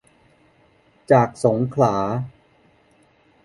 จากสงขลา